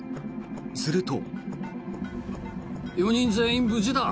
すると。